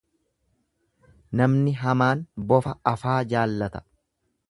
Namni hamaan bofa afaa jaallata.